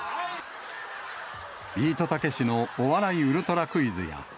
ビートたけしのお笑いウルトラクイズや。